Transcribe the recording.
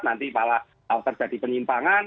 nanti kalau terjadi penyimpangan